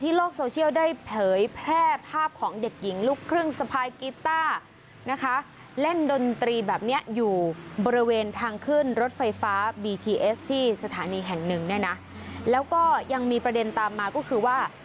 ที่สถานีแห่งหนึ่งเนี่ยนะแล้วก็ยังมีประเด็นตามมาก็คือว่า